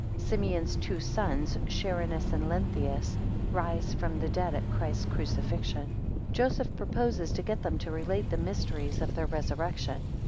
16 Simeon's two sons, Charinus and Lenthius, rise from the dead at Christ's crucifixion. 19 Joseph proposes to get them to relate the mysteries of their resurrection.